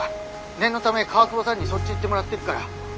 念のため川久保さんにそっち行ってもらってっから。